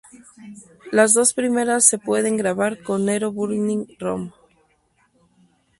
Las dos primeras se pueden grabar con Nero Burning Rom.